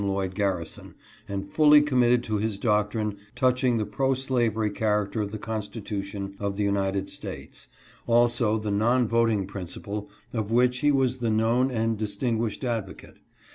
Lloyd Garrison, and fully committed to his doctrine touching the pro slavery character of the Constitution of the United States, also the non voting principle of which he was the known and distinguished advocate.